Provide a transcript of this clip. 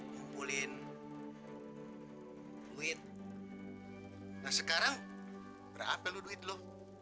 ngumpulin duit sekarang berapa lu duit lo